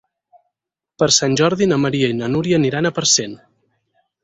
Per Sant Jordi na Maria i na Núria aniran a Parcent.